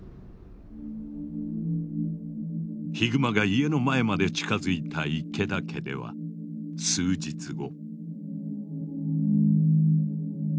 ヒグマが家の前まで近づいた池田家では数日後。